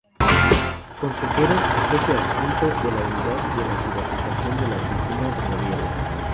Consejero, Jefe Adjunto de la Unidad de la privatización de la Oficina del Gobierno.